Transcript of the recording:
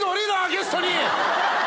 ゲストに！